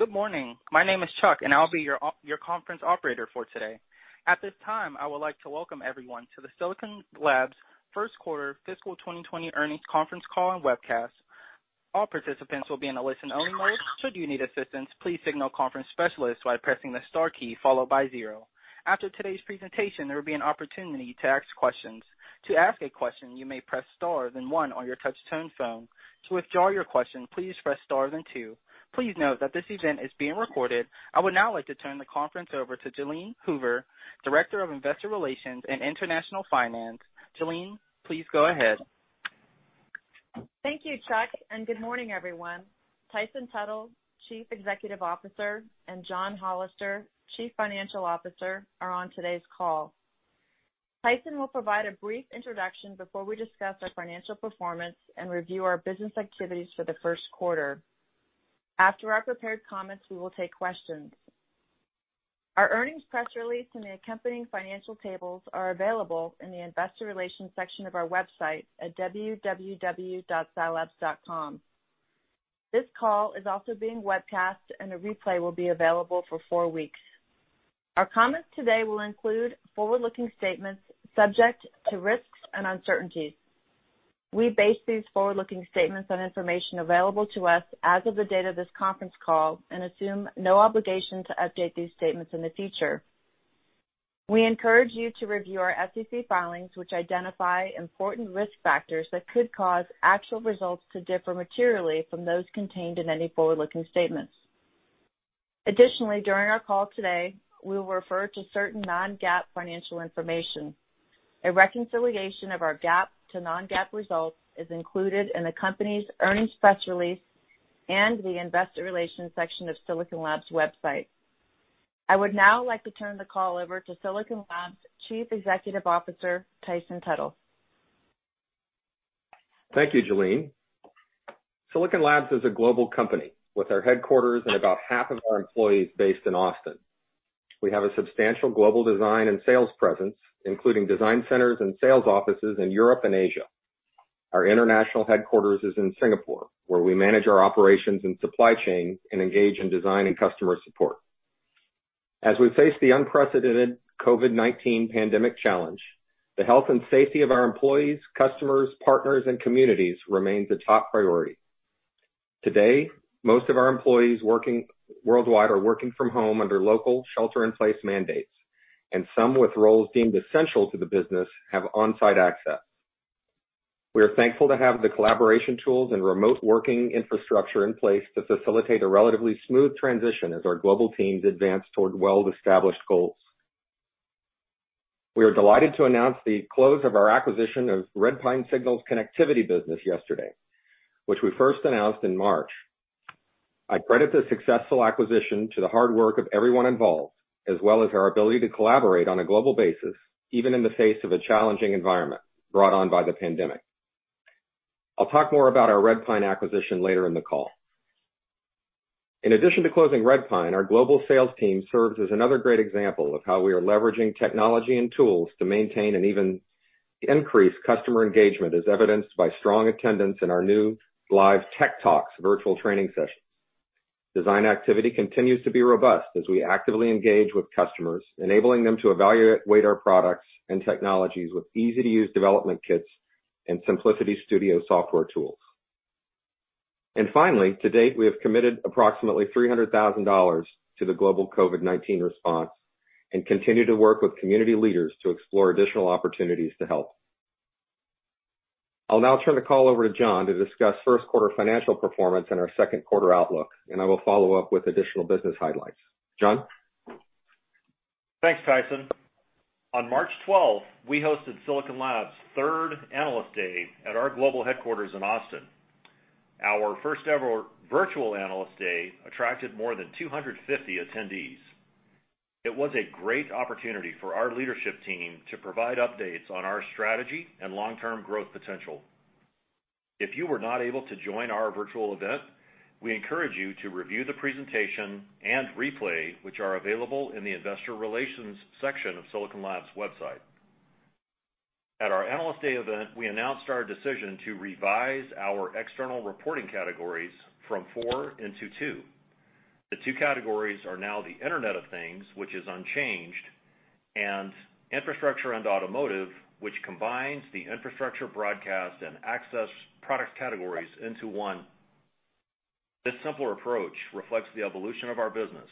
Good morning. My name is Chuck, and I'll be your conference operator for today. At this time, I would like to welcome everyone to the Silicon Labs 1Q Fiscal 2020 Earnings Conference Call and Webcast. All participants will be in a listen-only mode. Should you need assistance, please signal conference specialists by pressing the star key followed by zero. After today's presentation, there will be an opportunity to ask questions. To ask a question, you may press star then one on your touch-tone phone. To withdraw your question, please press star then two. Please note that this event is being recorded. I would now like to turn the conference over to Jalene Hoover, Director of Investor Relations and International Finance. Jalene, please go ahead. Thank you, Chuck, and good morning, everyone. Tyson Tuttle, Chief Executive Officer, and John Hollister, Chief Financial Officer, are on today's call. Tyson will provide a brief introduction before we discuss our financial performance and review our business activities for the 1st Quarter. After our prepared comments, we will take questions. Our earnings press release and the accompanying financial tables are available in the investor relations section of our website at www.silabs.com. This call is also being webcast, and a replay will be available for four weeks. Our comments today will include forward-looking statements subject to risks and uncertainties. We base these forward-looking statements on information available to us as of the date of this conference call and assume no obligation to update these statements in the future. We encourage you to review our SEC filings, which identify important risk factors that could cause actual results to differ materially from those contained in any forward-looking statements. Additionally, during our call today, we will refer to certain non-GAAP financial information. A reconciliation of our GAAP to non-GAAP results is included in the company's earnings press release and the investor relations section of Silicon Labs' website. I would now like to turn the call over to Silicon Labs Chief Executive Officer, Tyson Tuttle. Thank you, Jalene. Silicon Labs is a global company with our headquarters and about half of our employees based in Austin. We have a substantial global design and sales presence, including design centers and sales offices in Europe and Asia. Our international headquarters is in Singapore, where we manage our operations and supply chain and engage in design and customer support. As we face the unprecedented COVID-19 pandemic challenge, the health and safety of our employees, customers, partners, and communities remains a top priority. Today, most of our employees working worldwide are working from home under local shelter-in-place mandates, and some with roles deemed essential to the business have on-site access. We are thankful to have the collaboration tools and remote working infrastructure in place to facilitate a relatively smooth transition as our global teams advance toward well-established goals. We are delighted to announce the close of our acquisition of Redpine Signals connectivity business yesterday, which we first announced in March. I credit the successful acquisition to the hard work of everyone involved, as well as our ability to collaborate on a global basis, even in the face of a challenging environment brought on by the pandemic. I'll talk more about our Redpine acquisition later in the call. In addition to closing Redpine, our global sales team serves as another great example of how we are leveraging technology and tools to maintain and even increase customer engagement, as evidenced by strong attendance in our new live tech talks, virtual training sessions. Design activity continues to be robust as we actively engage with customers, enabling them to evaluate our products and technologies with easy-to-use development kits and Simplicity Studio software tools. Finally, to date, we have committed approximately $300,000 to the global COVID-19 response and continue to work with community leaders to explore additional opportunities to help. I'll now turn the call over to John to discuss 1st Quarter financial performance and our second quarter outlook, and I will follow up with additional business highlights. John? Thanks, Tyson. On March 12, we hosted Silicon Labs' third Analyst Day at our global headquarters in Austin. Our first-ever virtual Analyst Day attracted more than 250 attendees. It was a great opportunity for our leadership team to provide updates on our strategy and long-term growth potential. If you were not able to join our virtual event, we encourage you to review the presentation and replay, which are available in the investor relations section of Silicon Labs' website. At our Analyst Day event, we announced our decision to revise our external reporting categories from four into two. The two categories are now the Internet of Things, which is unchanged, and Infrastructure and Automotive, which combines the infrastructure broadcast and access product categories into one. This simpler approach reflects the evolution of our business,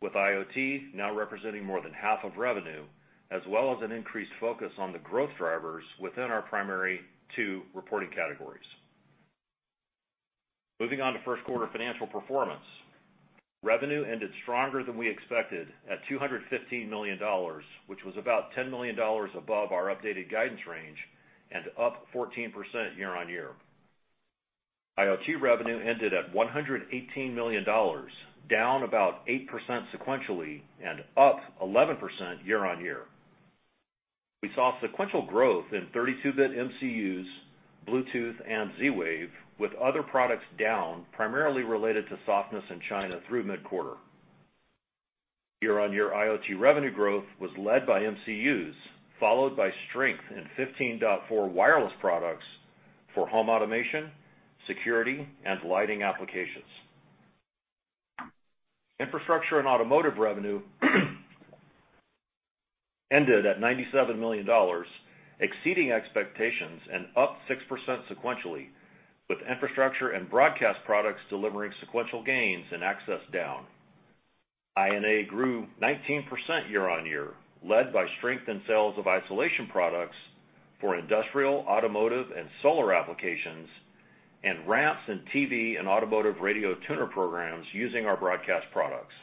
with IoT now representing more than half of revenue, as well as an increased focus on the growth drivers within our primary two reporting categories. Moving on to 1st Quarter financial performance, revenue ended stronger than we expected at $215 million, which was about $10 million above our updated guidance range and up 14% year on year. IoT revenue ended at $118 million, down about 8% sequentially and up 11% year on year. We saw sequential growth in 32-bit MCUs, Bluetooth, and Z-Wave, with other products down, primarily related to softness in China through mid-quarter. Year-on-year IoT revenue growth was led by MCUs, followed by strength in 15.4 wireless products for home automation, security, and lighting applications. Infrastructure and automotive revenue ended at $97 million, exceeding expectations and up 6% sequentially, with infrastructure and broadcast products delivering sequential gains and access down. INA grew 19% year-on-year, led by strength in sales of isolation products for industrial, automotive, and solar applications, and ramps in TV and automotive radio tuner programs using our broadcast products.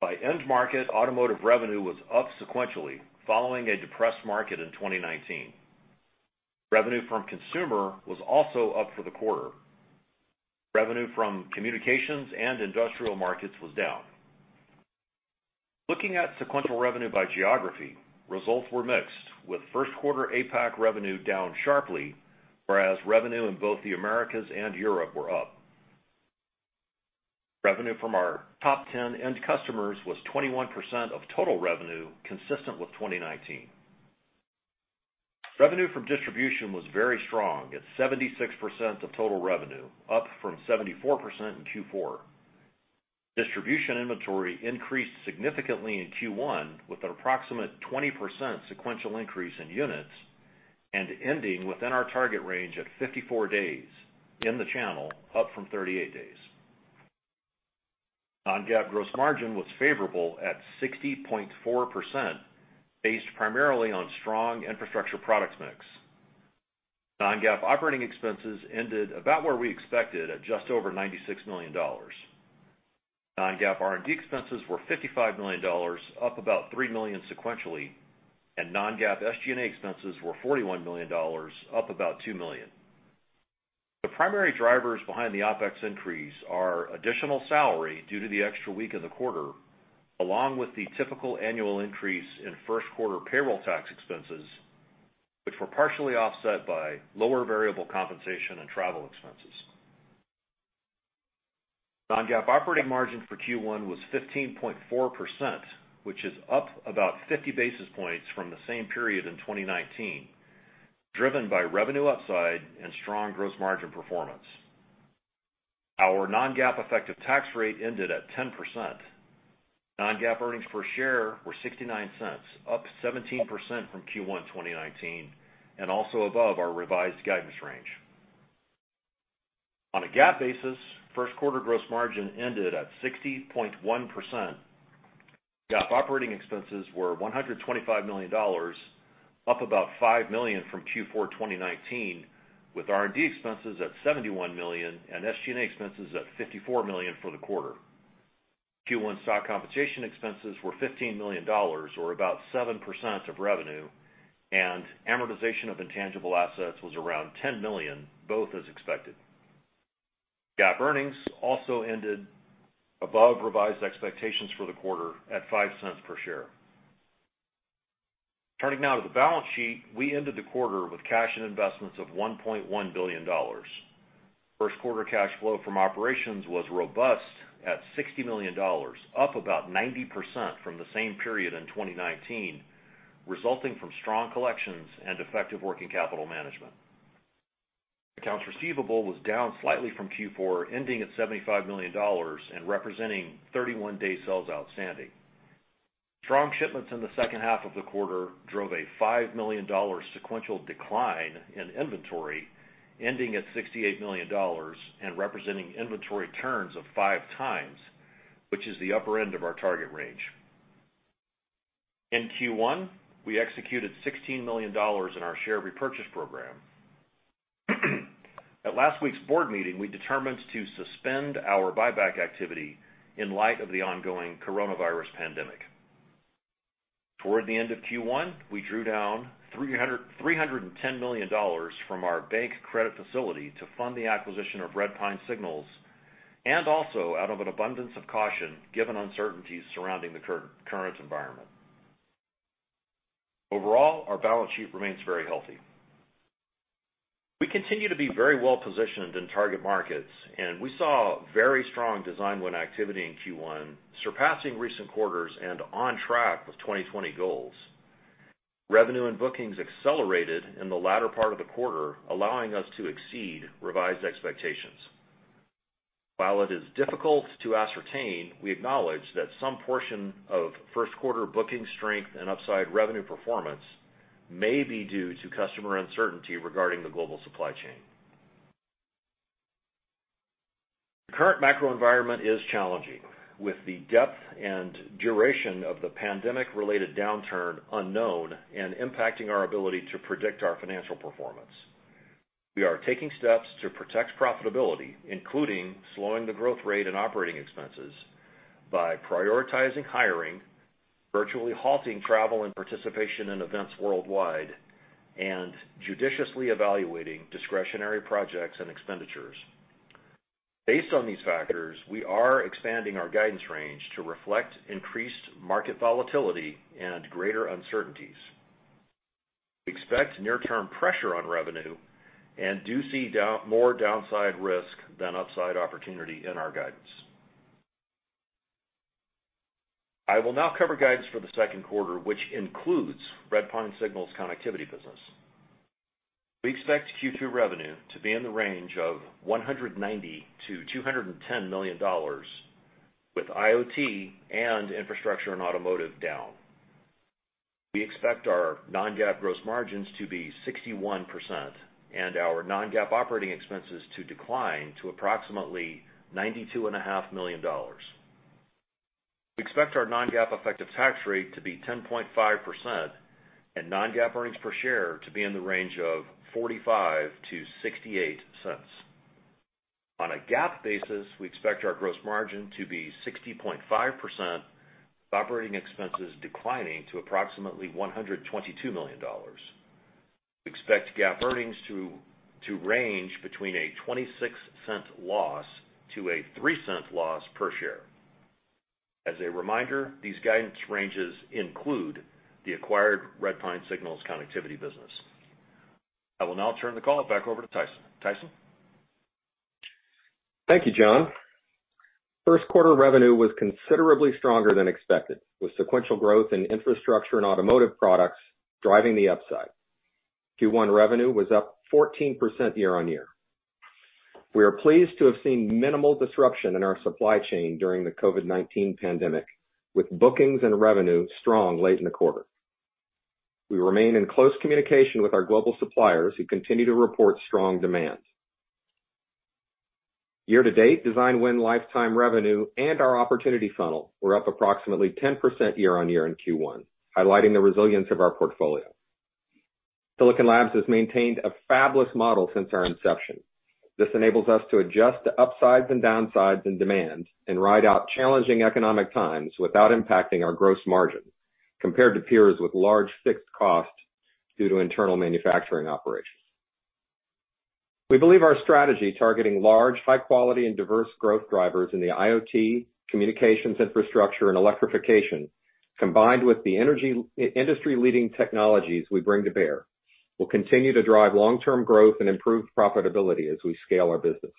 By end market, automotive revenue was up sequentially, following a depressed market in 2019. Revenue from consumer was also up for the quarter. Revenue from communications and industrial markets was down. Looking at sequential revenue by geography, results were mixed, with 1st Quarter APAC revenue down sharply, whereas revenue in both the Americas and Europe were up. Revenue from our top 10 end customers was 21% of total revenue, consistent with 2019. Revenue from distribution was very strong at 76% of total revenue, up from 74% in Q4. Distribution inventory increased significantly in Q1, with an approximate 20% sequential increase in units and ending within our target range at 54 days in the channel, up from 38 days. Non-GAAP gross margin was favorable at 60.4%, based primarily on strong infrastructure product mix. Non-GAAP operating expenses ended about where we expected at just over $96 million. Non-GAAP R&D expenses were $55 million, up about $3 million sequentially, and non-GAAP SG&A expenses were $41 million, up about $2 million. The primary drivers behind the OPEX increase are additional salary due to the extra week of the quarter, along with the typical annual increase in 1st Quarter payroll tax expenses, which were partially offset by lower variable compensation and travel expenses. Non-GAAP operating margin for Q1 was 15.4%, which is up about 50 basis points from the same period in 2019, driven by revenue upside and strong gross margin performance. Our non-GAAP effective tax rate ended at 10%. Non-GAAP earnings per share were $0.69, up 17% from Q1 2019 and also above our revised guidance range. On a GAAP basis, 1st Quarter gross margin ended at 60.1%. GAAP operating expenses were $125 million, up about $5 million from Q4 2019, with R&D expenses at $71 million and SG&A expenses at $54 million for the quarter. Q1 stock compensation expenses were $15 million, or about 7% of revenue, and amortization of intangible assets was around $10 million, both as expected. GAAP earnings also ended above revised expectations for the quarter at $0.05 per share. Turning now to the balance sheet, we ended the quarter with cash and investments of $1.1 billion. 1st Quarter cash flow from operations was robust at $60 million, up about 90% from the same period in 2019, resulting from strong collections and effective working capital management. Accounts receivable was down slightly from Q4, ending at $75 million and representing 31-day sales outstanding. Strong shipments in the second half of the quarter drove a $5 million sequential decline in inventory, ending at $68 million and representing inventory turns of five times, which is the upper end of our target range. In Q1, we executed $16 million in our share repurchase program. At last week's board meeting, we determined to suspend our buyback activity in light of the ongoing coronavirus pandemic. Toward the end of Q1, we drew down $310 million from our bank credit facility to fund the acquisition of Redpine Signals and also out of an abundance of caution given uncertainties surrounding the current environment. Overall, our balance sheet remains very healthy. We continue to be very well positioned in target markets, and we saw very strong design win activity in Q1, surpassing recent quarters and on track with 2020 goals. Revenue and bookings accelerated in the latter part of the quarter, allowing us to exceed revised expectations. While it is difficult to ascertain, we acknowledge that some portion of 1st Quarter booking strength and upside revenue performance may be due to customer uncertainty regarding the global supply chain. The current macro environment is challenging, with the depth and duration of the pandemic-related downturn unknown and impacting our ability to predict our financial performance. We are taking steps to protect profitability, including slowing the growth rate in operating expenses by prioritizing hiring, virtually halting travel and participation in events worldwide, and judiciously evaluating discretionary projects and expenditures. Based on these factors, we are expanding our guidance range to reflect increased market volatility and greater uncertainties. We expect near-term pressure on revenue and do see more downside risk than upside opportunity in our guidance. I will now cover guidance for the second quarter, which includes Redpine Signals connectivity business. We expect Q2 revenue to be in the range of $190-$210 million, with IoT and infrastructure and automotive down. We expect our non-GAAP gross margins to be 61% and our non-GAAP operating expenses to decline to approximately $92.5 million. We expect our non-GAAP effective tax rate to be 10.5% and non-GAAP earnings per share to be in the range of $0.45-$0.68. On a GAAP basis, we expect our gross margin to be 60.5%, with operating expenses declining to approximately $122 million. We expect GAAP earnings to range between a $0.26 loss-$0.03 loss per share. As a reminder, these guidance ranges include the acquired Redpine Signals connectivity business. I will now turn the call back over to Tyson. Tyson? Thank you, John. 1st Quarter revenue was considerably stronger than expected, with sequential growth in infrastructure and automotive products driving the upside. Q1 revenue was up 14% year-on-year. We are pleased to have seen minimal disruption in our supply chain during the COVID-19 pandemic, with bookings and revenue strong late in the quarter. We remain in close communication with our global suppliers, who continue to report strong demand. Year-to-date, design win lifetime revenue and our opportunity funnel were up approximately 10% year-on-year in Q1, highlighting the resilience of our portfolio. Silicon Labs has maintained a fabless model since our inception. This enables us to adjust to upsides and downsides in demand and ride out challenging economic times without impacting our gross margin, compared to peers with large fixed costs due to internal manufacturing operations. We believe our strategy targeting large, high-quality, and diverse growth drivers in the IoT, communications, infrastructure, and electrification, combined with the industry-leading technologies we bring to bear, will continue to drive long-term growth and improve profitability as we scale our business.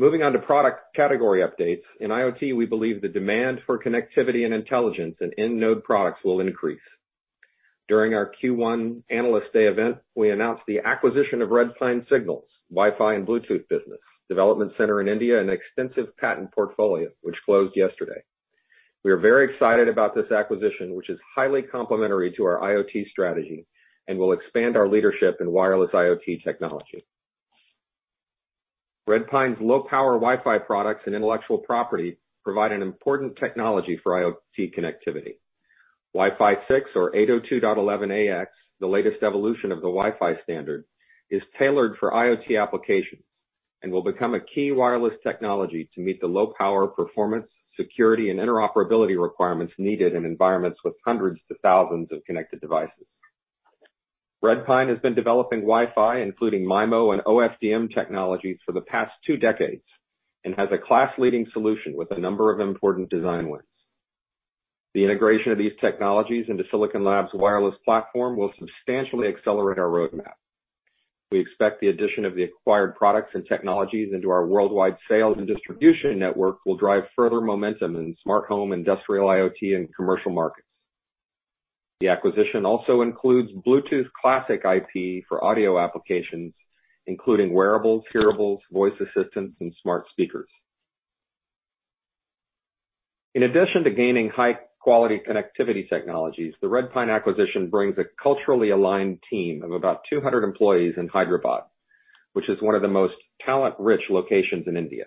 Moving on to product category updates, in IoT, we believe the demand for connectivity and intelligence in end node products will increase. During our Q1 Analyst Day event, we announced the acquisition of Redpine Signals Wi-Fi and Bluetooth business, development center in India, and extensive patent portfolio, which closed yesterday. We are very excited about this acquisition, which is highly complementary to our IoT strategy and will expand our leadership in wireless IoT technology. Redpine's low-power Wi-Fi products and intellectual property provide an important technology for IoT connectivity. Wi-Fi 6, or 802.11ax, the latest evolution of the Wi-Fi standard, is tailored for IoT applications and will become a key wireless technology to meet the low-power performance, security, and interoperability requirements needed in environments with hundreds to thousands of connected devices. Redpine has been developing Wi-Fi, including MIMO and OFDM technologies, for the past two decades and has a class-leading solution with a number of important design wins. The integration of these technologies into Silicon Labs' wireless platform will substantially accelerate our roadmap. We expect the addition of the acquired products and technologies into our worldwide sales and distribution network will drive further momentum in smart home, industrial IoT, and commercial markets. The acquisition also includes Bluetooth Classic IP for audio applications, including wearables, hearables, voice assistants, and smart speakers. In addition to gaining high-quality connectivity technologies, the Redpine acquisition brings a culturally aligned team of about 200 employees in Hyderabad, which is one of the most talent-rich locations in India.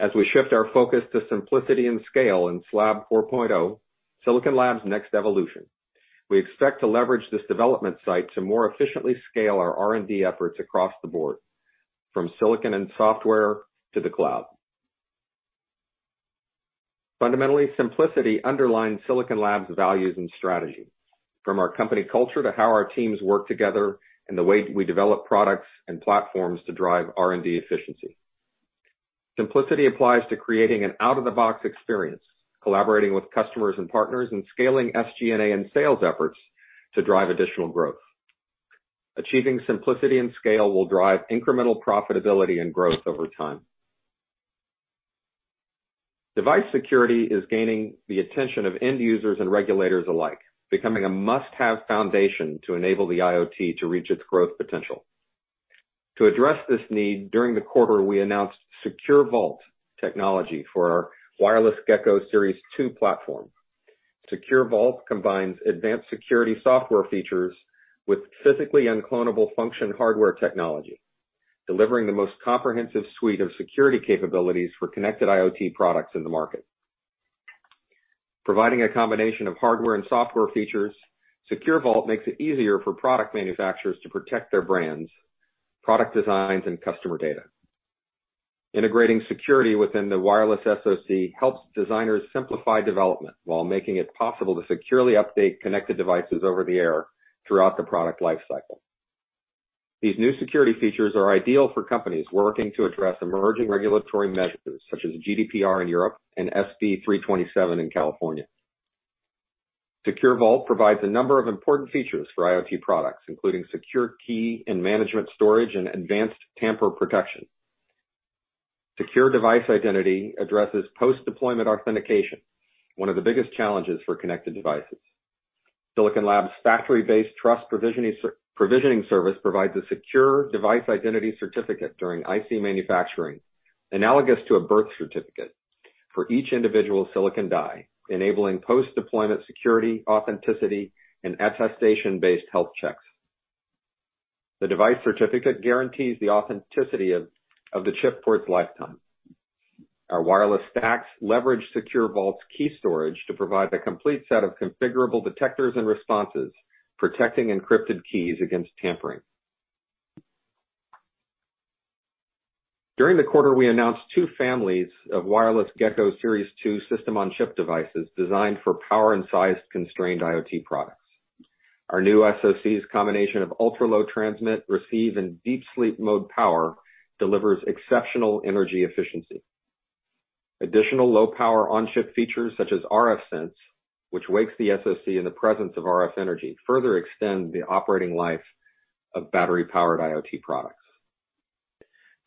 As we shift our focus to simplicity and scale in SLAB 4.0, Silicon Labs' next evolution, we expect to leverage this development site to more efficiently scale our R&D efforts across the board, from silicon and software to the cloud. Fundamentally, simplicity underlines Silicon Labs' values and strategy, from our company culture to how our teams work together and the way we develop products and platforms to drive R&D efficiency. Simplicity applies to creating an out-of-the-box experience, collaborating with customers and partners, and scaling SG&A and sales efforts to drive additional growth. Achieving simplicity and scale will drive incremental profitability and growth over time. Device security is gaining the attention of end users and regulators alike, becoming a must-have foundation to enable the IoT to reach its growth potential. To address this need, during the quarter, we announced SecureVault technology for our wireless Gecko Series 2 platform. SecureVault combines advanced security software features with physically unclonable function hardware technology, delivering the most comprehensive suite of security capabilities for connected IoT products in the market. Providing a combination of hardware and software features, SecureVault makes it easier for product manufacturers to protect their brands, product designs, and customer data. Integrating security within the wireless SOC helps designers simplify development while making it possible to securely update connected devices over the air throughout the product lifecycle. These new security features are ideal for companies working to address emerging regulatory measures, such as GDPR in Europe and SB327 in California. SecureVault provides a number of important features for IoT products, including secure key and management storage and advanced tamper protection. Secure Device Identity addresses post-deployment authentication, one of the biggest challenges for connected devices. Silicon Labs' factory-based trust provisioning service provides a secure device identity certificate during IC manufacturing, analogous to a birth certificate, for each individual silicon die, enabling post-deployment security, authenticity, and attestation-based health checks. The device certificate guarantees the authenticity of the chip for its lifetime. Our wireless stacks leverage SecureVault's key storage to provide a complete set of configurable detectors and responses, protecting encrypted keys against tampering. During the quarter, we announced two families of wireless Gecko Series 2 system-on-chip devices designed for power and size-constrained IoT products. Our new SOC's combination of ultra-low transmit, receive, and deep sleep mode power delivers exceptional energy efficiency. Additional low-power on-chip features, such as RF sense, which wakes the SOC in the presence of RF energy, further extend the operating life of battery-powered IoT products.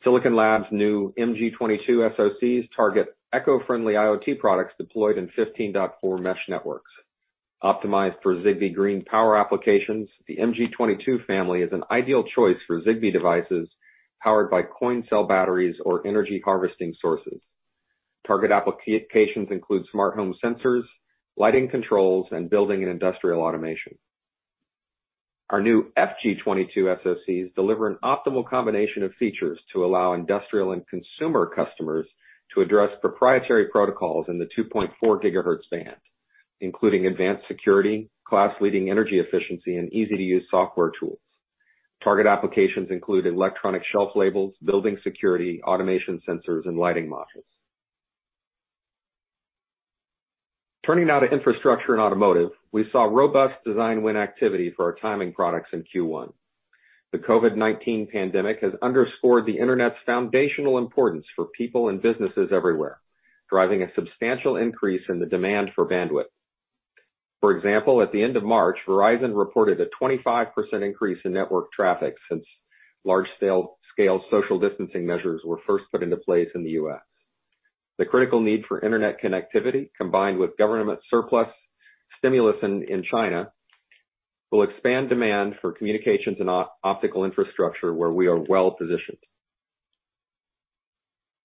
Silicon Labs' new MG22 SOCs target eco-friendly IoT products deployed in 15.4 mesh networks. Optimized for Zigbee Green Power applications, the MG22 family is an ideal choice for Zigbee devices powered by coin cell batteries or energy harvesting sources. Target applications include smart home sensors, lighting controls, and building and industrial automation. Our new FG22 SOCs deliver an optimal combination of features to allow industrial and consumer customers to address proprietary protocols in the 2.4 gigahertz band, including advanced security, class-leading energy efficiency, and easy-to-use software tools. Target applications include electronic shelf labels, building security, automation sensors, and lighting modules. Turning now to infrastructure and automotive, we saw robust design win activity for our timing products in Q1. The COVID-19 pandemic has underscored the internet's foundational importance for people and businesses everywhere, driving a substantial increase in the demand for bandwidth. For example, at the end of March, Verizon reported a 25% increase in network traffic since large-scale social distancing measures were first put into place in the U.S. The critical need for internet connectivity, combined with government surplus stimulus in China, will expand demand for communications and optical infrastructure where we are well positioned.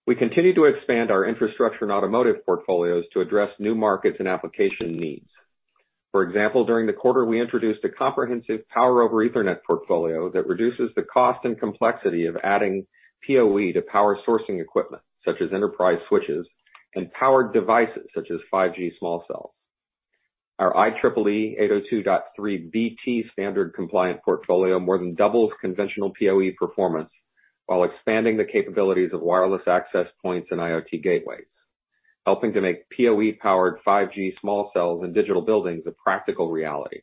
We continue to expand our infrastructure and automotive portfolios to address new markets and application needs. For example, during the quarter, we introduced a comprehensive power over Ethernet portfolio that reduces the cost and complexity of adding PoE to power sourcing equipment, such as enterprise switches, and power devices, such as 5G small cells. Our IEEE 802.3bt standard compliant portfolio more than doubles conventional PoE performance while expanding the capabilities of wireless access points and IoT gateways, helping to make PoE-powered 5G small cells and digital buildings a practical reality.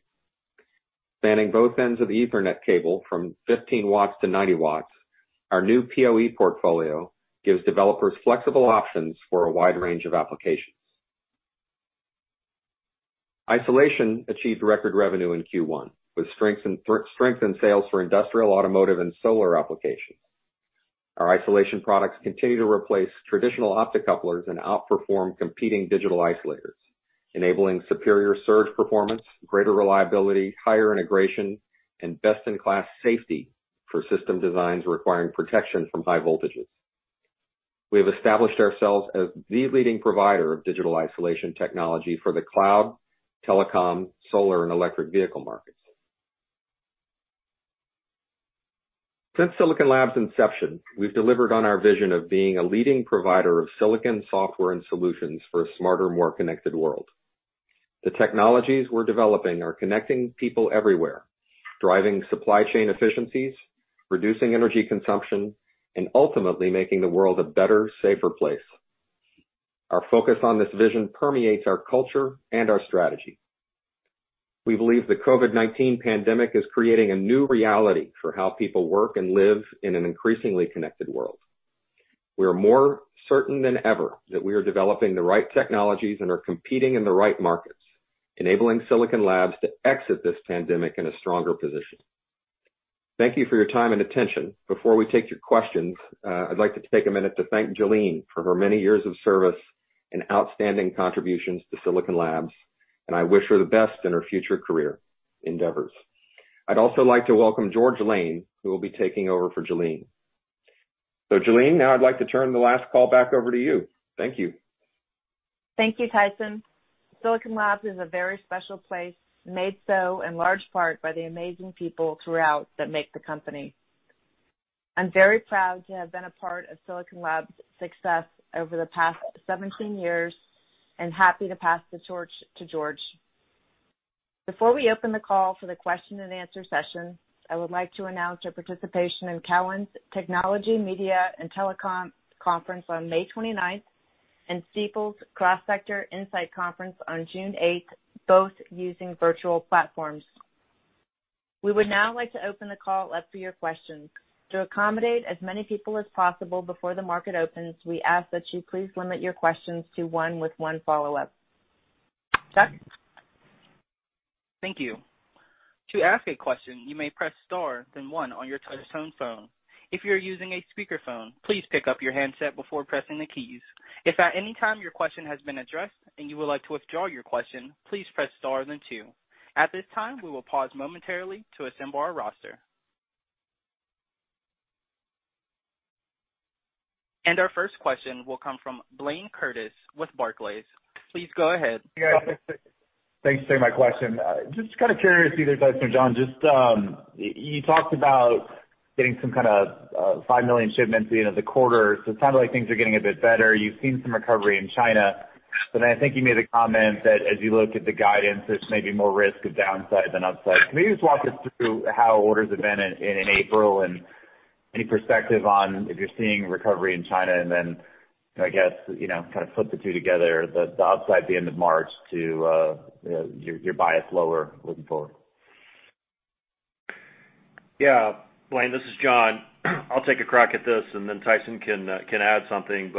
Spanning both ends of the Ethernet cable from 15 watts to 90 watts, our new PoE portfolio gives developers flexible options for a wide range of applications. Isolation achieved record revenue in Q1, with strength in sales for industrial, automotive, and solar applications. Our isolation products continue to replace traditional optic couplers and outperform competing digital isolators, enabling superior surge performance, greater reliability, higher integration, and best-in-class safety for system designs requiring protection from high voltages. We have established ourselves as the leading provider of digital isolation technology for the cloud, telecom, solar, and electric vehicle markets. Since Silicon Labs' inception, we've delivered on our vision of being a leading provider of silicon software and solutions for a smarter, more connected world. The technologies we're developing are connecting people everywhere, driving supply chain efficiencies, reducing energy consumption, and ultimately making the world a better, safer place. Our focus on this vision permeates our culture and our strategy. We believe the COVID-19 pandemic is creating a new reality for how people work and live in an increasingly connected world. We are more certain than ever that we are developing the right technologies and are competing in the right markets, enabling Silicon Labs to exit this pandemic in a stronger position. Thank you for your time and attention. Before we take your questions, I'd like to take a minute to thank Jalene for her many years of service and outstanding contributions to Silicon Labs, and I wish her the best in her future career endeavors. I'd also like to welcome George Lane, who will be taking over for Jalene. Jalene, now I'd like to turn the last call back over to you. Thank you. Thank you, Tyson. Silicon Labs is a very special place, made so in large part by the amazing people throughout that make the company. I'm very proud to have been a part of Silicon Labs' success over the past 17 years and happy to pass the torch to George. Before we open the call for the question-and-answer session, I would like to announce our participation in Cowen's Technology, Media, and Telecom Conference on May 29 and Stifel's Cross-Sector Insight Conference on June 8, both using virtual platforms. We would now like to open the call up for your questions. To accommodate as many people as possible before the market opens, we ask that you please limit your questions to one with one follow-up. Chuck. Thank you. To ask a question, you may press star then one on your touch-and-tone phone. If you're using a speakerphone, please pick up your handset before pressing the keys. If at any time your question has been addressed and you would like to withdraw your question, please press star then two. At this time, we will pause momentarily to assemble our roster. Our first question will come from Blayne Curtis with Barclays. Please go ahead. Thanks for taking my question. Just kind of curious, either Tyson or John, just you talked about getting some kind of 5 million shipments at the end of the quarter. It sounded like things are getting a bit better. You've seen some recovery in China. I think you made the comment that as you look at the guidance, there's maybe more risk of downside than upside. Can you just walk us through how orders have been in April and any perspective on if you're seeing recovery in China and then I guess kind of put the two together, the upside at the end of March to your bias lower looking forward? Yeah. Blayne, this is John. I'll take a crack at this and then Tyson can add something.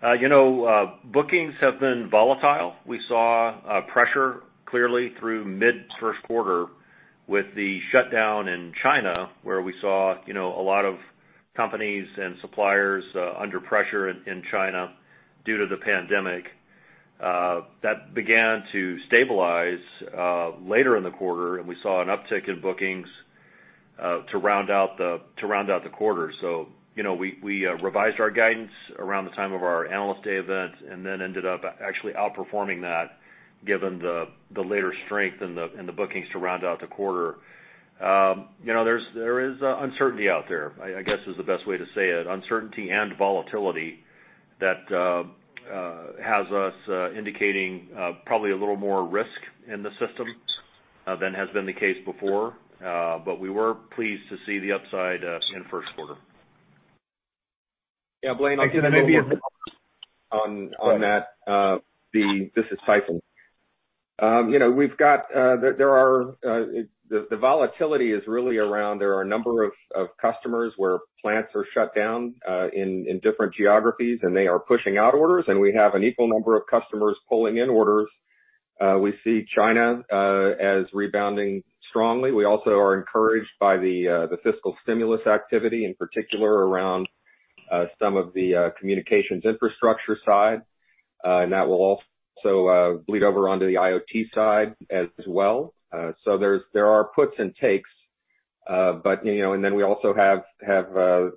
Bookings have been volatile. We saw pressure clearly through mid-1st Quarter with the shutdown in China where we saw a lot of companies and suppliers under pressure in China due to the pandemic. That began to stabilize later in the quarter and we saw an uptick in bookings to round out the quarter. We revised our guidance around the time of our analyst day event and then ended up actually outperforming that given the later strength and the bookings to round out the quarter. There is uncertainty out there, I guess is the best way to say it. Uncertainty and volatility that has us indicating probably a little more risk in the system than has been the case before. We were pleased to see the upside in 1st Quarter. Yeah. Blayne, I can maybe add on that. This is Tyson. We've got the volatility is really around there are a number of customers where plants are shut down in different geographies and they are pushing out orders and we have an equal number of customers pulling in orders. We see China as rebounding strongly. We also are encouraged by the fiscal stimulus activity in particular around some of the communications infrastructure side. That will also bleed over onto the IoT side as well. There are puts and takes. We also have a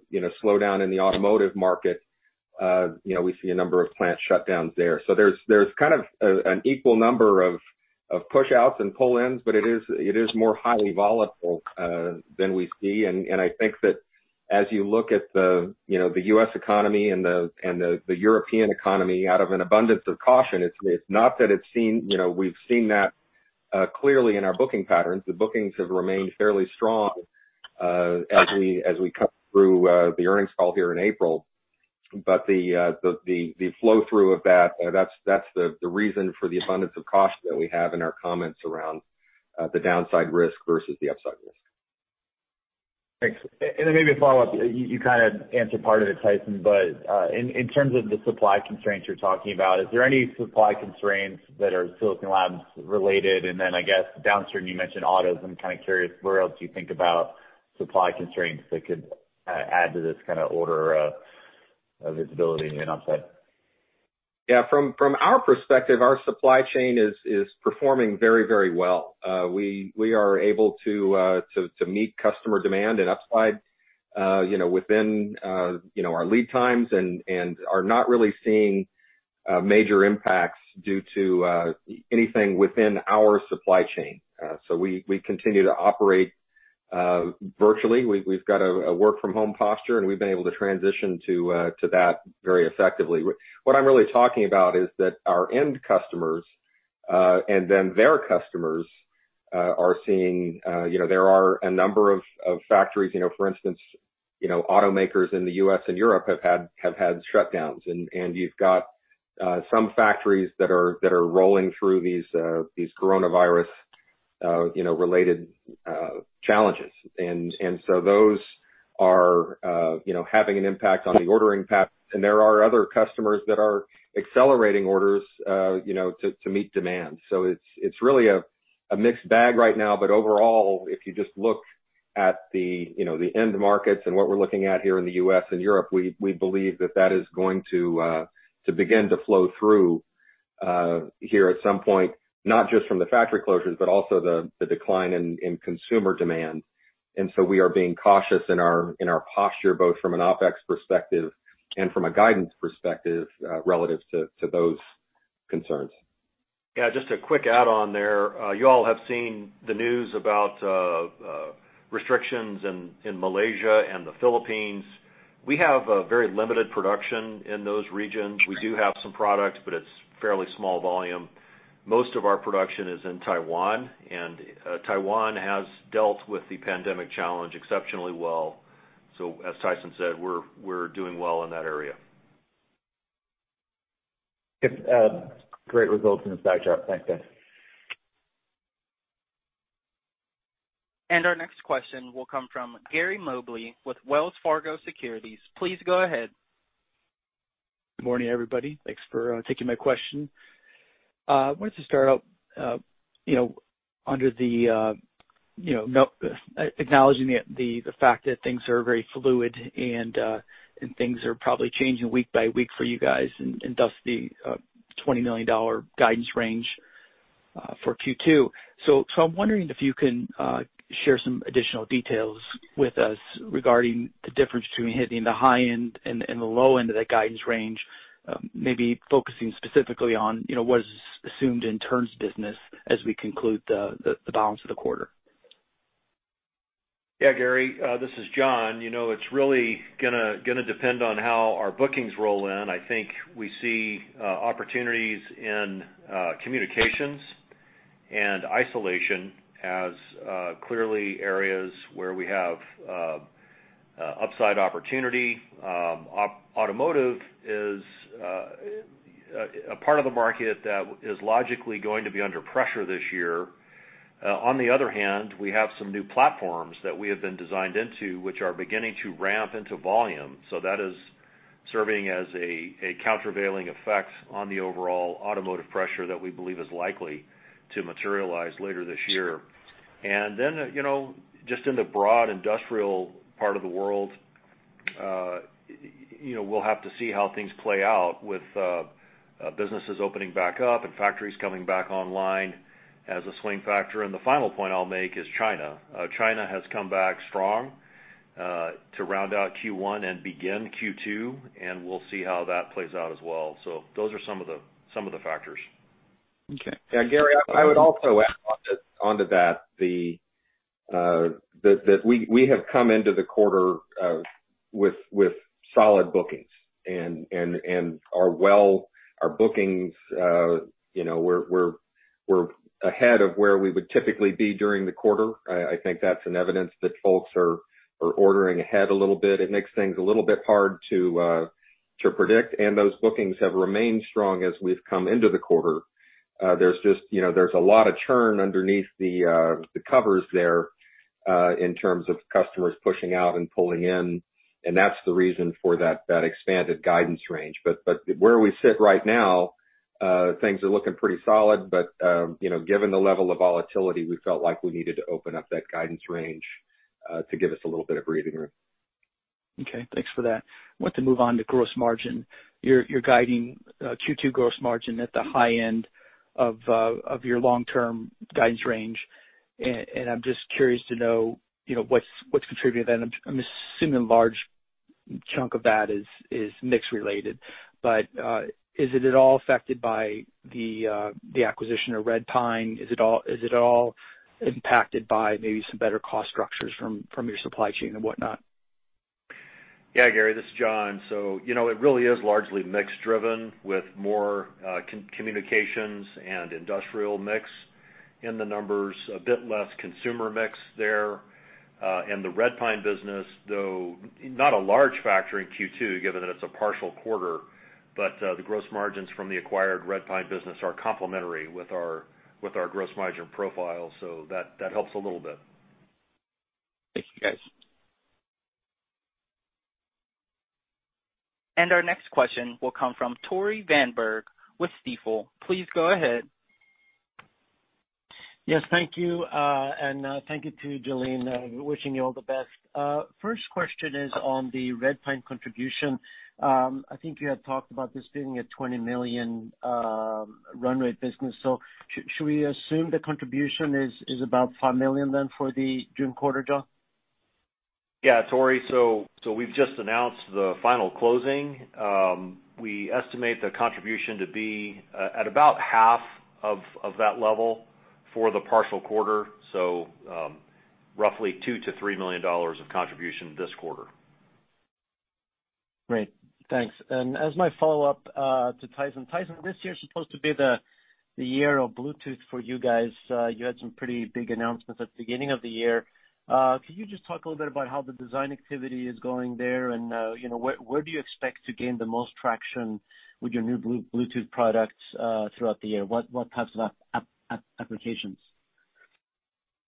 slowdown in the automotive market. We see a number of plant shutdowns there. There is kind of an equal number of push-outs and pull-ins, but it is more highly volatile than we see. I think that as you look at the U.S. economy and the European economy out of an abundance of caution, it's not that we've seen that clearly in our booking patterns. The bookings have remained fairly strong as we cut through the earnings call here in April. The flow-through of that, that's the reason for the abundance of caution that we have in our comments around the downside risk versus the upside risk. Thanks. Maybe a follow-up. You kind of answered part of it, Tyson, but in terms of the supply constraints you're talking about, is there any supply constraints that are Silicon Labs related? I guess downstream you mentioned autos and I'm kind of curious where else you think about supply constraints that could add to this kind of order of visibility and upside. Yeah. From our perspective, our supply chain is performing very, very well. We are able to meet customer demand and upside within our lead times and are not really seeing major impacts due to anything within our supply chain. We continue to operate virtually. We've got a work-from-home posture and we've been able to transition to that very effectively. What I'm really talking about is that our end customers and then their customers are seeing there are a number of factories. For instance, automakers in the U.S. and Europe have had shutdowns. You have some factories that are rolling through these coronavirus-related challenges. Those are having an impact on the ordering path. There are other customers that are accelerating orders to meet demand. It is really a mixed bag right now. Overall, if you just look at the end markets and what we are looking at here in the U.S. and Europe, we believe that is going to begin to flow through here at some point, not just from the factory closures, but also the decline in consumer demand. We are being cautious in our posture, both from an OpEx perspective and from a guidance perspective relative to those concerns. Yeah. Just a quick add-on there. You all have seen the news about restrictions in Malaysia and the Philippines. We have very limited production in those regions. We do have some products, but it is fairly small volume. Most of our production is in Taiwan. Taiwan has dealt with the pandemic challenge exceptionally well. As Tyson said, we are doing well in that area. Great results in the factory. Thanks, guys. Our next question will come from Gary Mobley with Wells Fargo Securities. Please go ahead. Good morning, everybody. Thanks for taking my question. I wanted to start out acknowledging the fact that things are very fluid and things are probably changing week by week for you guys and thus the $20 million guidance range for Q2. I am wondering if you can share some additional details with us regarding the difference between hitting the high end and the low end of that guidance range, maybe focusing specifically on what is assumed in terms of business as we conclude the balance of the quarter. Yeah, Gary, this is John. It's really going to depend on how our bookings roll in. I think we see opportunities in communications and isolation as clearly areas where we have upside opportunity. Automotive is a part of the market that is logically going to be under pressure this year. On the other hand, we have some new platforms that we have been designed into, which are beginning to ramp into volume. That is serving as a countervailing effect on the overall automotive pressure that we believe is likely to materialize later this year. In the broad industrial part of the world, we'll have to see how things play out with businesses opening back up and factories coming back online as a swing factor. The final point I'll make is China. China has come back strong to round out Q1 and begin Q2, and we'll see how that plays out as well. Those are some of the factors. Okay. Yeah. Gary, I would also add onto that that we have come into the quarter with solid bookings and our bookings, we're ahead of where we would typically be during the quarter. I think that's an evidence that folks are ordering ahead a little bit. It makes things a little bit hard to predict. Those bookings have remained strong as we've come into the quarter. There's a lot of churn underneath the covers there in terms of customers pushing out and pulling in. That's the reason for that expanded guidance range. Where we sit right now, things are looking pretty solid. Given the level of volatility, we felt like we needed to open up that guidance range to give us a little bit of breathing room. Okay. Thanks for that. I want to move on to gross margin. You're guiding Q2 gross margin at the high end of your long-term guidance range. I'm just curious to know what's contributing to that. I'm assuming a large chunk of that is mix related. Is it at all affected by the acquisition of Redpine Signals? Is it at all impacted by maybe some better cost structures from your supply chain and whatnot? Yeah, Gary, this is John. It really is largely mix driven with more communications and industrial mix in the numbers, a bit less consumer mix there. The Redpine business, though not a large factor in Q2 given that it is a partial quarter, but the gross margins from the acquired Redpine business are complementary with our gross margin profile. That helps a little bit. Thank you, guys. Our next question will come from Tore Svanberg with Stifel. Please go ahead. Yes. Thank you. Thank you to Jalene. Wishing you all the best. First question is on the Redpine contribution. I think you had talked about this being a $20 million runway business. Should we assume the contribution is about $5 million then for the June quarter, John? Yeah. Tore, we have just announced the final closing. We estimate the contribution to be at about half of that level for the partial quarter. So roughly $2 million-$3 million of contribution this quarter. Great. Thanks. As my follow-up to Tyson, Tyson, this year is supposed to be the year of Bluetooth for you guys. You had some pretty big announcements at the beginning of the year. Could you just talk a little bit about how the design activity is going there and where do you expect to gain the most traction with your new Bluetooth products throughout the year? What types of applications?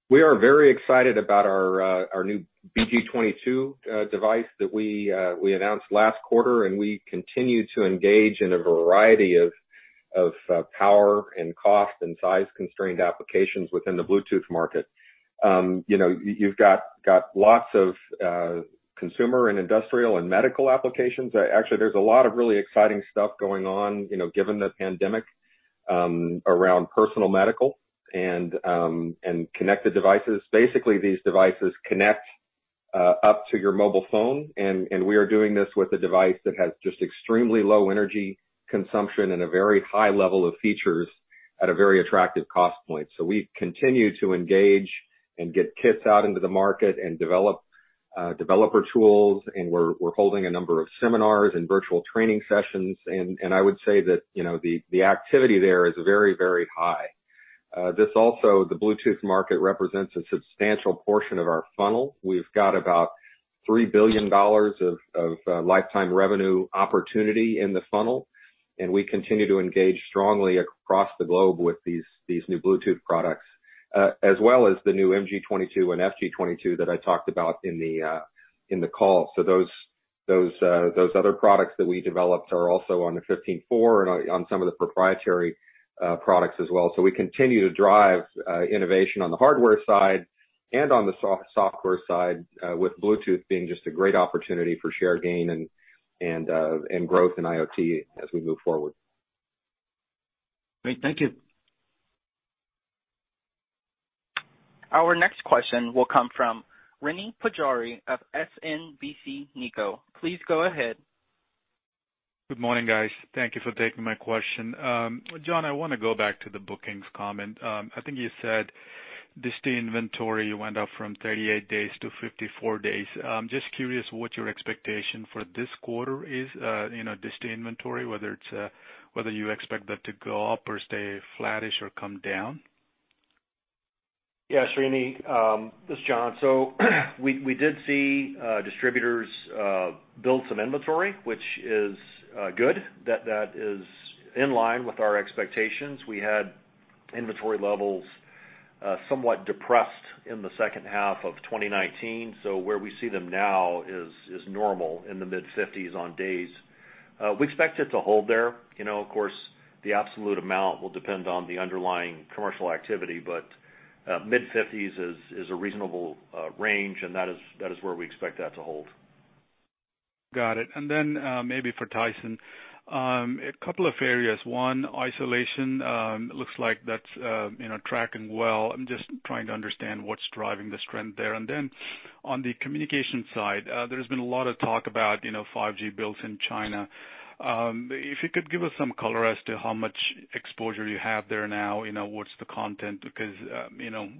We are very excited about our new BG22 device that we announced last quarter. We continue to engage in a variety of power and cost and size-constrained applications within the Bluetooth market. You've got lots of consumer and industrial and medical applications. Actually, there's a lot of really exciting stuff going on given the pandemic around personal medical and connected devices. Basically, these devices connect up to your mobile phone. We are doing this with a device that has just extremely low energy consumption and a very high level of features at a very attractive cost point. We continue to engage and get kits out into the market and develop developer tools. We are holding a number of seminars and virtual training sessions. I would say that the activity there is very, very high. This also, the Bluetooth market represents a substantial portion of our funnel. We've got about $3 billion of lifetime revenue opportunity in the funnel. We continue to engage strongly across the globe with these new Bluetooth products, as well as the new MG22 and FG22 that I talked about in the call. Those other products that we developed are also on the 15.4 and on some of the proprietary products as well. We continue to drive innovation on the hardware side and on the software side, with Bluetooth being just a great opportunity for shared gain and growth in IoT as we move forward. Great. Thank you. Our next question will come from Srini Pajjuri of SMBC Nikko. Please go ahead. Good morning, guys. Thank you for taking my question. John, I want to go back to the bookings comment. I think you said days inventory went up from 38 days to 54 days. I'm just curious what your expectation for this quarter is, days inventory, whether you expect that to go up or stay flattish or come down. Yeah. Srini. This is John. We did see distributors build some inventory, which is good. That is in line with our expectations. We had inventory levels somewhat depressed in the second half of 2019. Where we see them now is normal in the mid-50s on days. We expect it to hold there. Of course, the absolute amount will depend on the underlying commercial activity, but mid-50s is a reasonable range. That is where we expect that to hold. Got it. Maybe for Tyson, a couple of areas. One, isolation. Looks like that's tracking well. I'm just trying to understand what's driving the strength there. On the communication side, there's been a lot of talk about 5G built in China. If you could give us some color as to how much exposure you have there now, what's the content? Because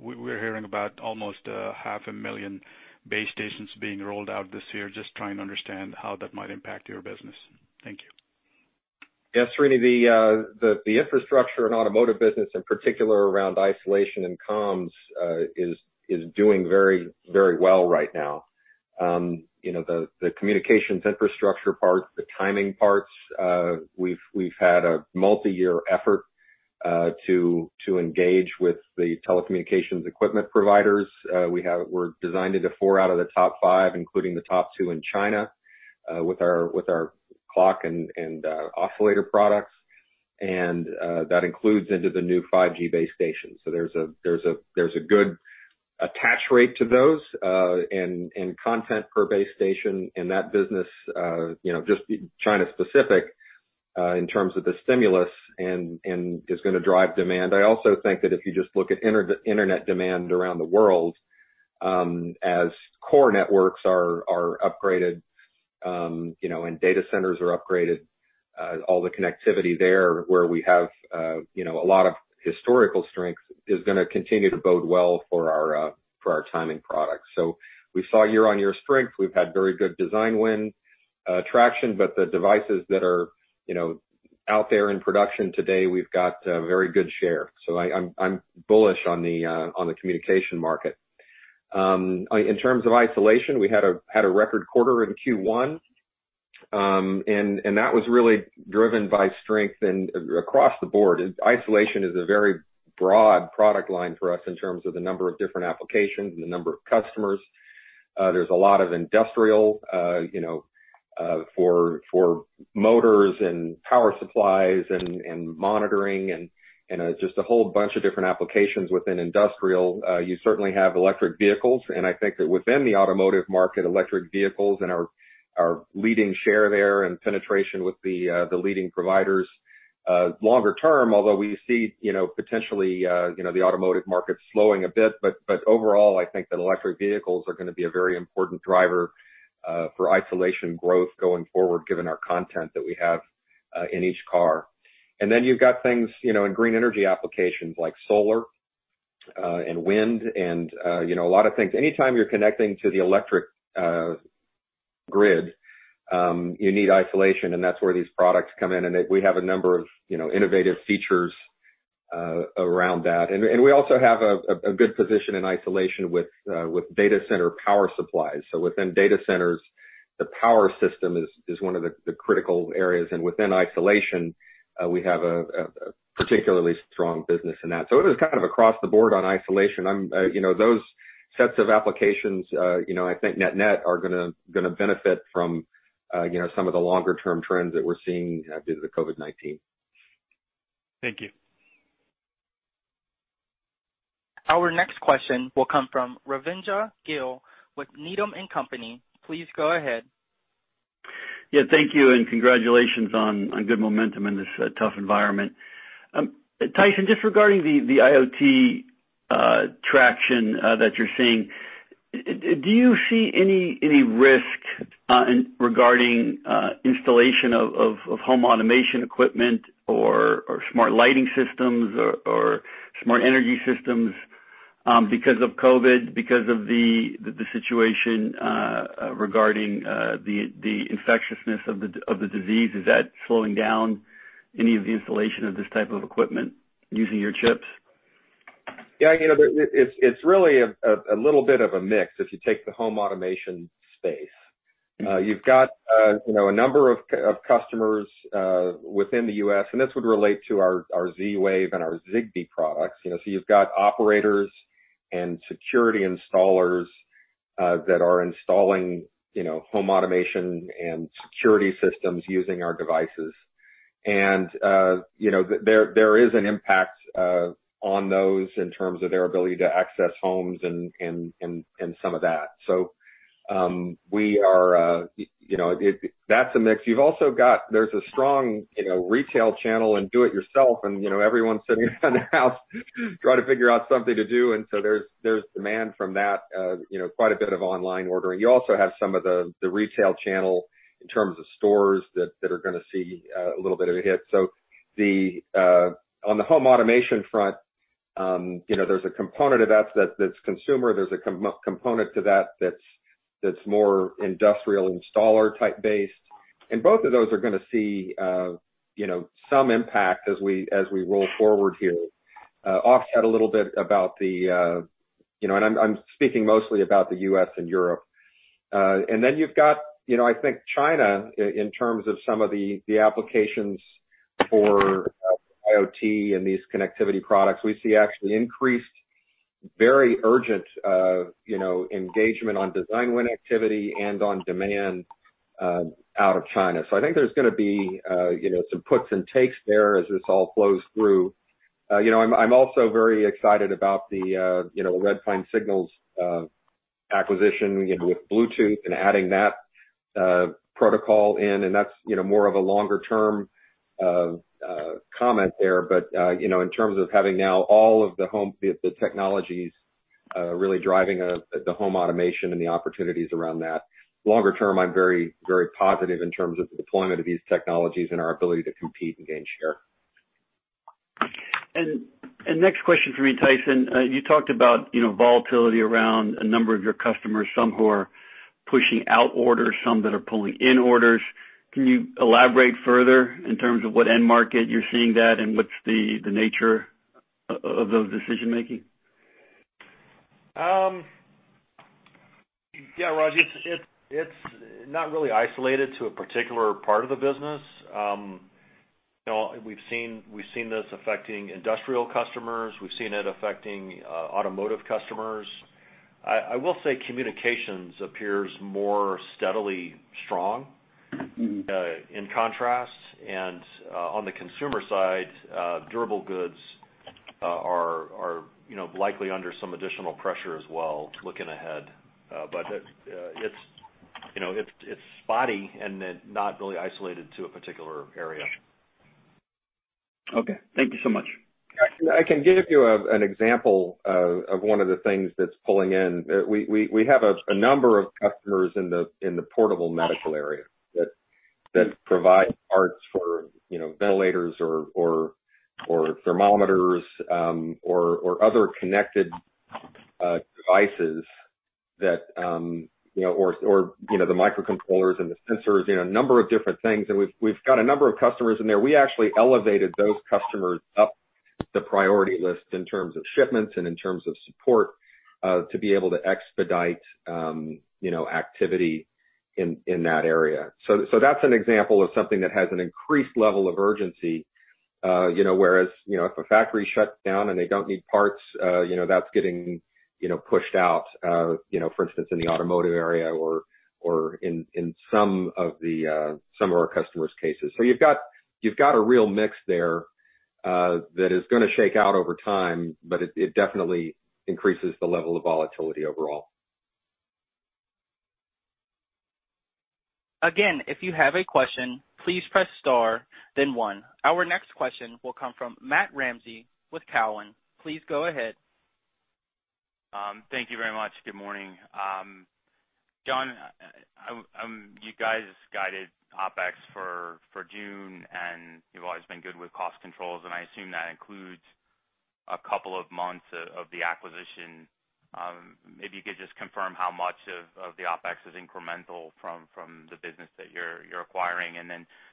we're hearing about almost 500,000 base stations being rolled out this year. Just trying to understand how that might impact your business. Thank you. Yeah. Srini. The infrastructure and automotive business, in particular around isolation and comms, is doing very, very well right now. The communications infrastructure part, the timing parts, we've had a multi-year effort to engage with the telecommunications equipment providers. We're designed into four out of the top five, including the top two in China with our clock and oscillator products. That includes into the new 5G base stations. There is a good attach rate to those and content per base station. That business, just China specific in terms of the stimulus, is going to drive demand. I also think that if you just look at internet demand around the world, as core networks are upgraded and data centers are upgraded, all the connectivity there where we have a lot of historical strength is going to continue to bode well for our timing products. We saw year-on-year strength. We've had very good design wind traction. The devices that are out there in production today, we've got a very good share. I am bullish on the communication market. In terms of isolation, we had a record quarter in Q1. That was really driven by strength across the board. Isolation is a very broad product line for us in terms of the number of different applications and the number of customers. There is a lot of industrial for motors and power supplies and monitoring and just a whole bunch of different applications within industrial. You certainly have electric vehicles. I think that within the automotive market, electric vehicles and our leading share there and penetration with the leading providers longer term, although we see potentially the automotive market slowing a bit. Overall, I think that electric vehicles are going to be a very important driver for isolation growth going forward, given our content that we have in each car. You have things in green energy applications like solar and wind and a lot of things. Anytime you are connecting to the electric grid, you need isolation. That is where these products come in. We have a number of innovative features around that. We also have a good position in isolation with data center power supplies. Within data centers, the power system is one of the critical areas. Within isolation, we have a particularly strong business in that. It is kind of across the board on isolation. Those sets of applications, I think net-net are going to benefit from some of the longer-term trends that we are seeing due to the COVID-19. Thank you. Our next question will come from Rajvindra Gill with Needham & Company. Please go ahead. Yeah. Thank you. Congratulations on good momentum in this tough environment. Tyson, just regarding the IoT traction that you're seeing, do you see any risk regarding installation of home automation equipment or smart lighting systems or smart energy systems because of COVID, because of the situation regarding the infectiousness of the disease? Is that slowing down any of the installation of this type of equipment using your chips? Yeah. It's really a little bit of a mix if you take the home automation space. You've got a number of customers within the U.S. This would relate to our Z-Wave and our Zigbee products. You've got operators and security installers that are installing home automation and security systems using our devices. There is an impact on those in terms of their ability to access homes and some of that. That is a mix. You've also got a strong retail channel and do-it-yourself. Everyone's sitting in the house trying to figure out something to do. There's demand from that, quite a bit of online ordering. You also have some of the retail channel in terms of stores that are going to see a little bit of a hit. On the home automation front, there's a component of that that's consumer. There's a component to that that's more industrial installer type based. Both of those are going to see some impact as we roll forward here. Offset a little bit about the, and I'm speaking mostly about the U.S. and Europe. Then you've got, I think, China in terms of some of the applications for IoT and these connectivity products. We see actually increased very urgent engagement on design win activity and on demand out of China. I think there's going to be some puts and takes there as this all flows through. I'm also very excited about the Redpine Signals acquisition with Bluetooth and adding that protocol in. That's more of a longer-term comment there. In terms of having now all of the technologies really driving the home automation and the opportunities around that, longer term, I'm very, very positive in terms of the deployment of these technologies and our ability to compete and gain share. Next question for me, Tyson. You talked about volatility around a number of your customers, some who are pushing out orders, some that are pulling in orders. Can you elaborate further in terms of what end market you're seeing that and what's the nature of those decision-making? Yeah, Roger. It's not really isolated to a particular part of the business. We've seen this affecting industrial customers. We've seen it affecting automotive customers. I will say communications appears more steadily strong in contrast. On the consumer side, durable goods are likely under some additional pressure as well looking ahead. It's spotty and not really isolated to a particular area. Okay. Thank you so much. I can give you an example of one of the things that's pulling in. We have a number of customers in the portable medical area that provide parts for ventilators or thermometers or other connected devices or the microcontrollers and the sensors, a number of different things. We have a number of customers in there. We actually elevated those customers up the priority list in terms of shipments and in terms of support to be able to expedite activity in that area. That is an example of something that has an increased level of urgency, whereas if a factory shuts down and they do not need parts, that is getting pushed out, for instance, in the automotive area or in some of our customers' cases. You have a real mix there that is going to shake out over time, but it definitely increases the level of volatility overall. Again, if you have a question, please press star, then one. Our next question will come from Matt Ramsey with Cowen. Please go ahead. Thank you very much. Good morning. John, you guys guided OpEx for June, and you've always been good with cost controls. I assume that includes a couple of months of the acquisition. Maybe you could just confirm how much of the OpEx is incremental from the business that you're acquiring.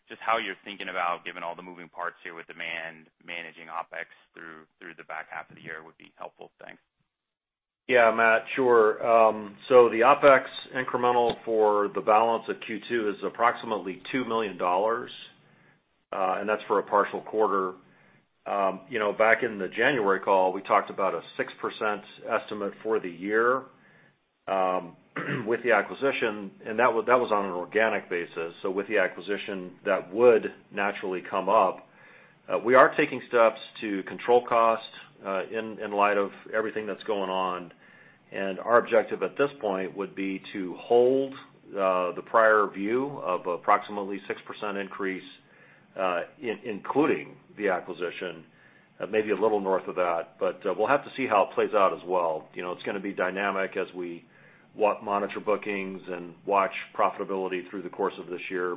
Just how you're thinking about, given all the moving parts here with demand, managing OpEx through the back half of the year would be helpful. Thanks. Yeah, Matt. Sure. The OpEx incremental for the balance of Q2 is approximately $2 million. That is for a partial quarter. Back in the January call, we talked about a 6% estimate for the year with the acquisition. That was on an organic basis. With the acquisition, that would naturally come up. We are taking steps to control cost in light of everything that is going on. Our objective at this point would be to hold the prior view of approximately 6% increase, including the acquisition, maybe a little north of that. We will have to see how it plays out as well. It is going to be dynamic as we monitor bookings and watch profitability through the course of this year.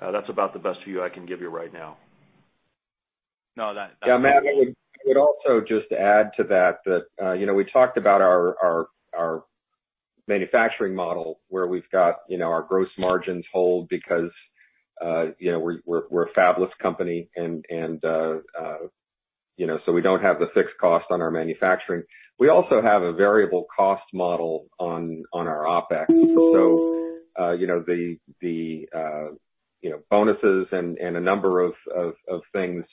That is about the best view I can give you right now. No, that's good. Yeah, Matt. I would also just add to that that we talked about our manufacturing model where we've got our gross margins hold because we're a fabless company. We don't have the fixed cost on our manufacturing. We also have a variable cost model on our OpEx. The bonuses and a number of things,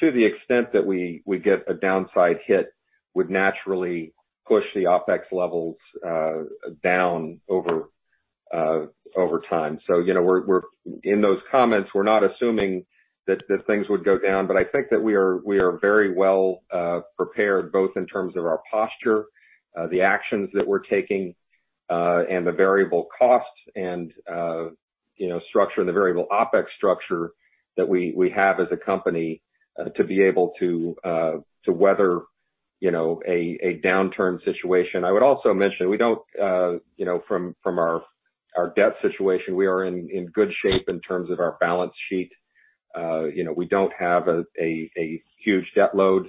to the extent that we get a downside hit, would naturally push the OpEx levels down over time. In those comments, we're not assuming that things would go down. I think that we are very well prepared both in terms of our posture, the actions that we're taking, and the variable cost and structure and the variable OpEx structure that we have as a company to be able to weather a downturn situation. I would also mention we do not, from our debt situation, we are in good shape in terms of our balance sheet. We do not have a huge debt load.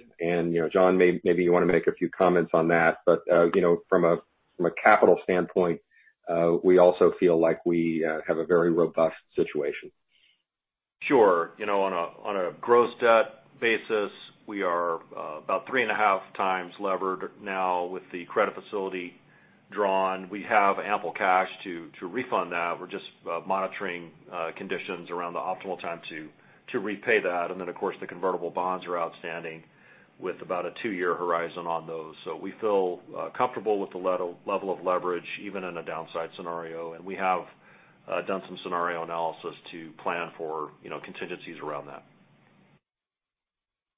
John, maybe you want to make a few comments on that. From a capital standpoint, we also feel like we have a very robust situation. Sure. On a gross debt basis, we are about three and a half times levered now with the credit facility drawn. We have ample cash to refund that. We are just monitoring conditions around the optimal time to repay that. Of course, the convertible bonds are outstanding with about a two-year horizon on those. We feel comfortable with the level of leverage even in a downside scenario. We have done some scenario analysis to plan for contingencies around that.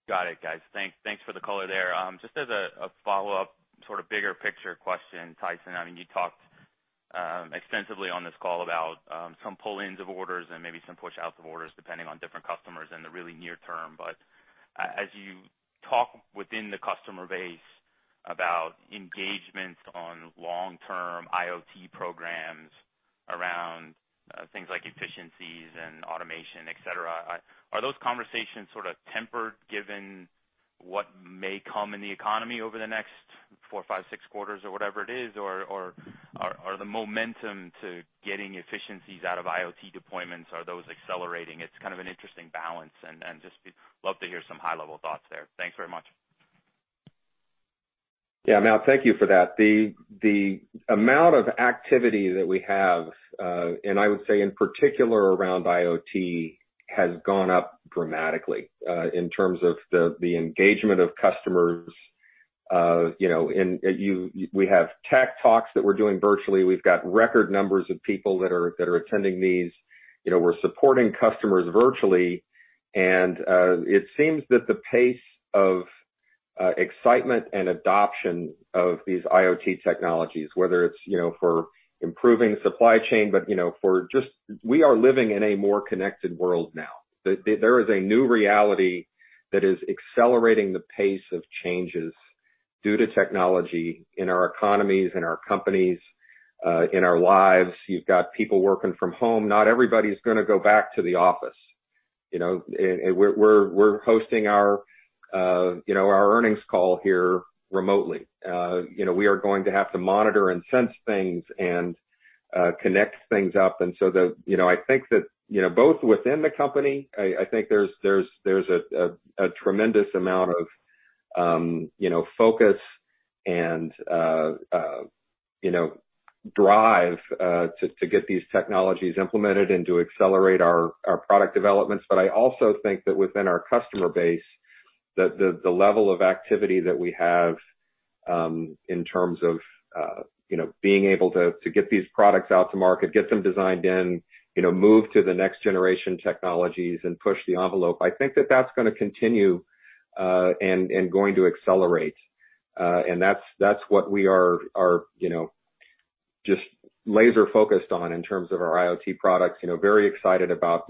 Got it, guys. Thanks for the color there. Just as a follow-up sort of bigger picture question, Tyson. I mean, you talked extensively on this call about some pull-ins of orders and maybe some push-outs of orders depending on different customers in the really near term. As you talk within the customer base about engagements on long-term IoT programs around things like efficiencies and automation, etc., are those conversations sort of tempered given what may come in the economy over the next four, five, six quarters or whatever it is? Are the momentum to getting efficiencies out of IoT deployments, are those accelerating? It's kind of an interesting balance. Just love to hear some high-level thoughts there. Thanks very much. Yeah, Matt. Thank you for that. The amount of activity that we have, and I would say in particular around IoT, has gone up dramatically in terms of the engagement of customers. We have tech talks that we're doing virtually. We've got record numbers of people that are attending these. We're supporting customers virtually. It seems that the pace of excitement and adoption of these IoT technologies, whether it's for improving supply chain, but for just we are living in a more connected world now. There is a new reality that is accelerating the pace of changes due to technology in our economies, in our companies, in our lives. You've got people working from home. Not everybody's going to go back to the office. We're hosting our earnings call here remotely. We are going to have to monitor and sense things and connect things up. I think that both within the company, I think there's a tremendous amount of focus and drive to get these technologies implemented and to accelerate our product developments. I also think that within our customer base, the level of activity that we have in terms of being able to get these products out to market, get them designed in, move to the next generation technologies, and push the envelope, I think that that's going to continue and going to accelerate. That's what we are just laser-focused on in terms of our IoT products. Very excited about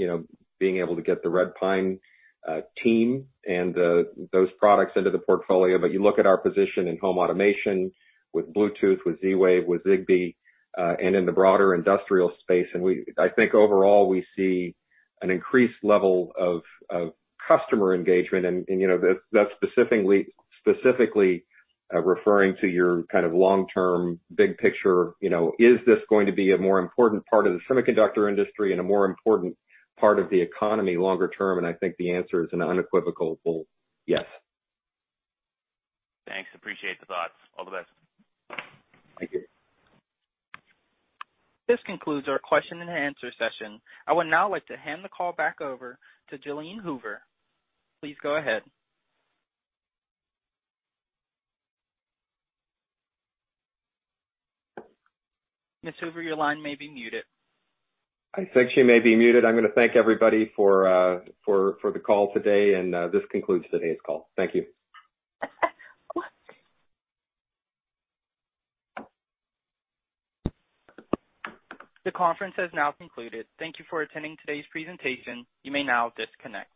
being able to get the Redpine team and those products into the portfolio. You look at our position in home automation with Bluetooth, with Z-Wave, with Zigbee, and in the broader industrial space. I think overall, we see an increased level of customer engagement. That is specifically referring to your kind of long-term big picture. Is this going to be a more important part of the semiconductor industry and a more important part of the economy longer term? I think the answer is an unequivocal yes. Thanks. Appreciate the thoughts. All the best. Thank you. This concludes our question and answer session. I would now like to hand the call back over to Jalene Hoover. Please go ahead. Ms. Hoover, your line may be muted. I think she may be muted. I'm going to thank everybody for the call today. This concludes today's call. Thank you. The conference has now concluded. Thank you for attending today's presentation. You may now disconnect.